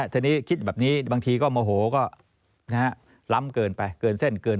ทีนี้คิดแบบนี้บางทีก็โมโหก็ล้ำเกินไปเกินเส้นเกิน